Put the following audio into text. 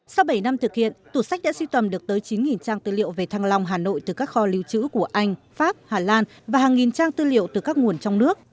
sau bảy năm thực hiện tủ sách đã suy tầm được tới chín trang tư liệu về thăng long hà nội từ các kho lưu trữ của anh pháp hà lan và hàng nghìn trang tư liệu từ các nguồn trong nước